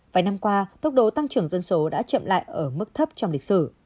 vài năm qua tốc độ tăng trưởng dân số đã chậm lại ở mức thấp trong lịch sử